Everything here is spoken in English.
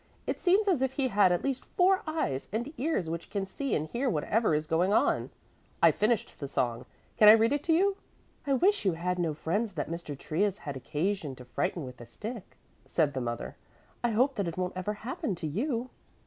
It seems as if he had at least four eyes and ears which can see and hear whatever is going on. I finished the song. Can I read it to you?" "I wish you had no friends that Mr. Trius has occasion to frighten with a stick," said the mother. "I hope that it won't ever happen to you."